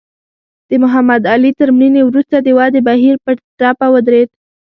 د محمد علي تر مړینې وروسته د ودې بهیر په ټپه ودرېد.